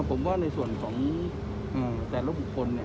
ผมว่าในส่วนของแต่ละบุคคล